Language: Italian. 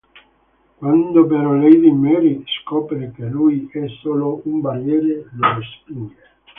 Quando però lady Mary scopre che lui è solo un barbiere, lo respinge.